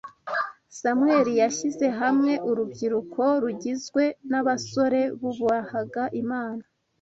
Samweli yashyize hamwe urubyiruko rugizwe n’abasore bubahaga Imana